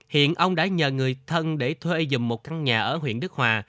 hiện ông đã nhờ người thân để thuê dìm một căn nhà ở huyện đức hòa